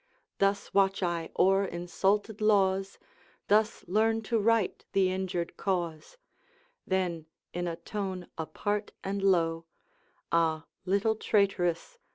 Thus watch I o'er insulted laws, Thus learn to right the injured cause.' Then, in a tone apart and low, 'Ah, little traitress!